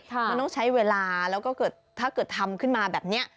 มันต้องใช้เวลาแล้วก็เกิดถ้าเกิดทำขึ้นมาแบบนี้